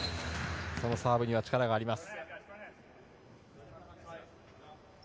そのサーブには力があります。